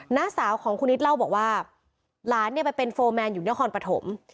น้าสาวของคุณนิดเล่าบอกว่าหลานเนี่ยไปเป็นโฟร์แมนอยู่นครปฐม